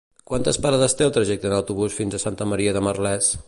Quantes parades té el trajecte en autobús fins a Santa Maria de Merlès?